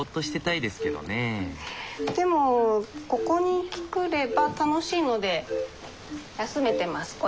でもここに来れば楽しいので休めてます。